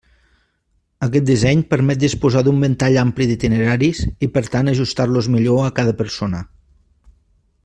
Aquest disseny permet disposar d'un ventall ampli d'itineraris i per tant ajustar-los millor a cada persona.